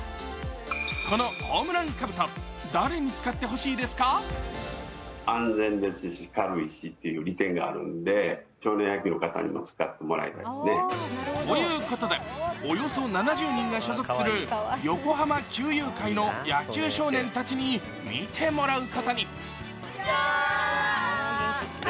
このホームランかぶと誰に使ってほしいですか？ということで、およそ７０人が所属する横浜球友会の野球少年たちに見てもらうことに。